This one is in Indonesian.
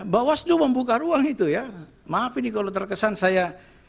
bawaslu membuka ruang itu ya maaf ini kalau terkesan saya